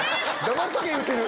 黙っとけ言うてる。